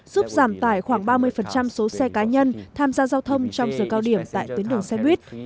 giúp giảm tải khoảng ba mươi số xe cá nhân tham gia giao thông trong giờ cao điểm tại tuyến đường xe buýt